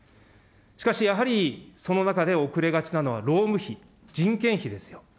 しかしやはり、その中で遅れがちなのは労務費、人件費ですよ。